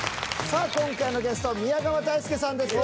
さあ今回のゲストは宮川大輔さんです。